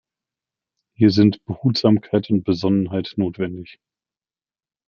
Hier sind Behutsamkeit und Besonnenheit notwendig.